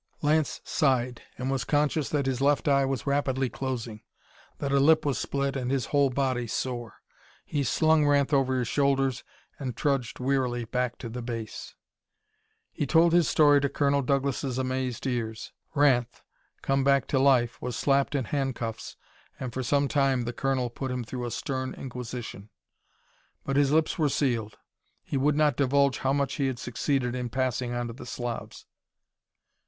Lance sighed, and was conscious that his left eye was rapidly closing, that a lip was split and his whole body sore. He slung Ranth over his shoulders and trudged wearily back to the base. He told his story to Colonel Douglas' amazed ears. Ranth, come back to life, was slapped in handcuffs, and for some time the colonel put him through a stern inquisition. But his lips were sealed. He would not divulge how much he had succeeded in passing on to the Slavs.